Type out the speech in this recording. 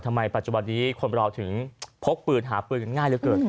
ทำไมปัจจุบันดีคนเราถึงพกปืนหาปืนง่ายเหลือเกิน